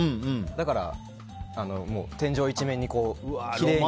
だから、天井一面にきれいに。